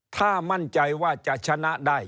ถ้ามั่นใจว่าจะชนะได้